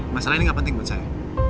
masalah ini gak penting buat saya